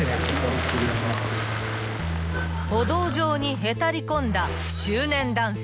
［歩道上にへたり込んだ］